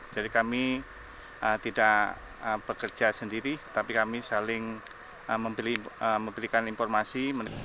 jadi kami tidak bekerja sendiri tapi kami saling memberikan informasi